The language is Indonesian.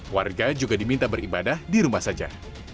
warga juga diminta beribadah di rumah saja